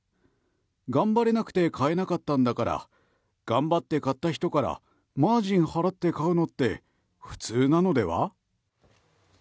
頑張れなくて買えなかったんだから頑張って買った人からマージン払って買うのって普通なのでは。